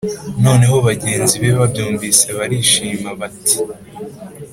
noneho bagenzi be babyumvise barishima., bati: